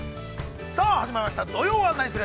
さあ、始まりました「土曜はナニする！？」